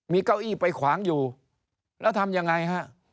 มีเก้าอี้ไปขวางอยู่แล้วทำยังไงฮะ